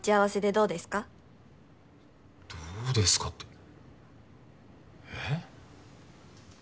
どうですかってえっ？